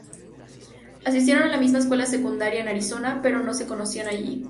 Asistieron a la misma escuela secundaria en Arizona, pero no se conocían allí.